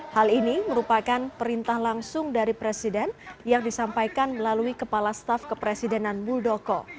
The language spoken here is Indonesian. hal ini merupakan perintah langsung dari presiden yang disampaikan melalui kepala staf kepresidenan muldoko